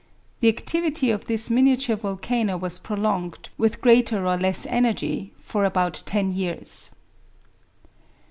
The activity of this miniature volcano was prolonged, with greater or less energy, for about ten years.